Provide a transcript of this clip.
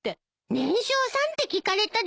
年少さんって聞かれたです。